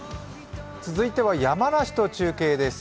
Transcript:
続いては山梨と中継です